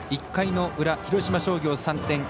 １回の裏、広島商業３点。